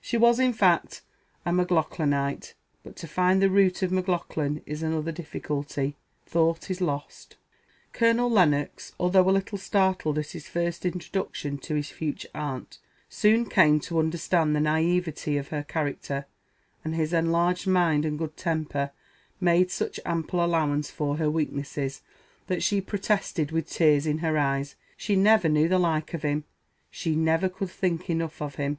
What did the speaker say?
She was, in fact, a Maclaughlanite; but to find the root of Maclaughlan is another difficulty thought is lost. Colonel Lennox, although a little startled at his first introduction to his future aunt, soon came to understand the naiveté of her character; and his enlarged mind and good temper made such ample allowance for her weaknesses, that she protested, with tears in her eyes, she never knew the like of him she never could think enough of him.